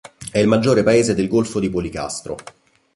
È il maggiore paese del Golfo di Policastro.